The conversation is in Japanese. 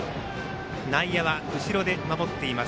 内野は後ろで守っています。